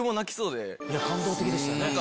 感動的でしたよね。